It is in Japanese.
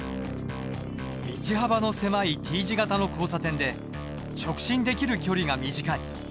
道幅の狭いＴ字型の交差点で直進できる距離が短い。